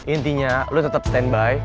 intinya lo tetep standby